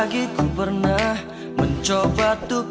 kita pulang aja yuk